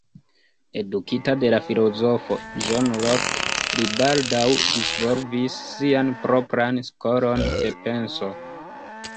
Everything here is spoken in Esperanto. Edukita de la filozofo John Locke, li baldaŭ disvolvis sian propran skolon de penso.